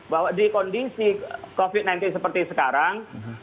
bahwa di kondisi covid sembilan belas seperti sekarang